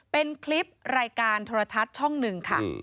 เป็นคลิปรายการโทรทัศน์ช่องหนึ่งค่ะ